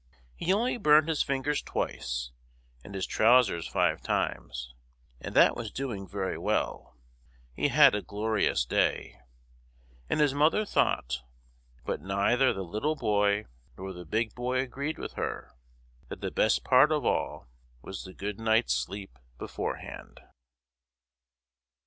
He only burned his fingers twice and his trousers five times, and that was doing very well. He had a glorious day; and his mother thought—but neither the Little Boy nor the Big Boy agreed with her—that the best part of all was the good night's sleep beforehand.